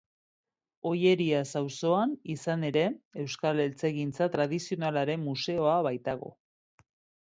Ollerias auzoan, izan ere, Euskal Eltzegintza Tradizionalaren Museoa baitago.